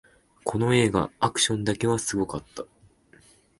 この映画、アクションだけはすごかった